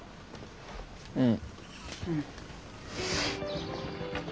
うん。